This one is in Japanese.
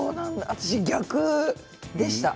私、逆でした。